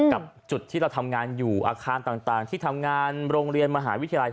กับจุดที่เราทำงานอยู่อาคารต่างที่ทำงานโรงเรียนมหาวิทยาลัย